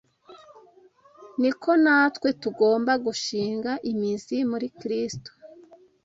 niko natwe tugomba gushinga imizi muri Kristo.